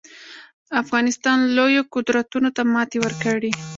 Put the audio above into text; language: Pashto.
افغانستان لویو قدرتونو ته ماتې ورکړي